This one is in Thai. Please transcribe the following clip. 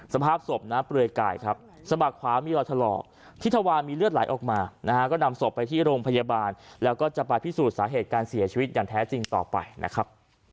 สภาพศพนะเปลือยกายครับสะบักขวามีรอยถลอกที่ทวารมีเลือดไหลออกมานะฮะก็นำศพไปที่โรงพยาบาลแล้วก็จะไปพิสูจน์สาเหตุการเสียชีวิตอย่างแท้จริงต่อไปนะครับ